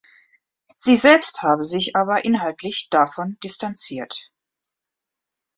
Sie selbst habe sich aber inhaltlich davon distanziert.